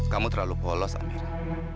kamu terlalu polos amira